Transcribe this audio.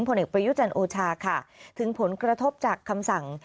ผลเอกประยุจันทร์โอชาค่ะถึงผลกระทบจากคำสั่ง